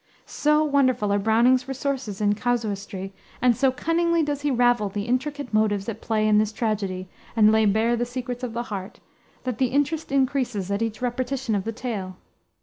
So wonderful are Browning's resources in casuistry, and so cunningly does he ravel the intricate motives at play in this tragedy and lay bare the secrets of the heart, that the interest increases at each repetition of the tale.